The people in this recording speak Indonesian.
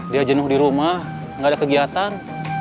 dia jenuh di rumah nggak ada kegiatan